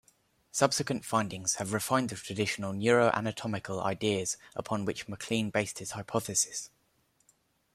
Subsequent findings have refined the traditional neuroanatomical ideas upon which MacLean based his hypothesis.